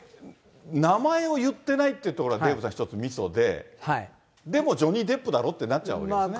名前を言ってないというところが、デーブさん、一つみそで、でもジョニー・デップだろってなっちゃいますよね。